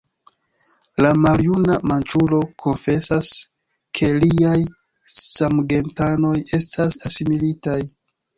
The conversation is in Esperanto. La maljuna manĉuro konfesas ke liaj samgentanoj estas asimilitaj.